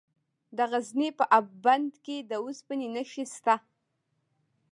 د غزني په اب بند کې د اوسپنې نښې شته.